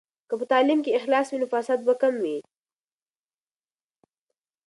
که په تعلیم کې اخلاص وي، نو فساد به کم وي.